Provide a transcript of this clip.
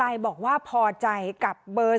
ท่านบุคคลาสมัคร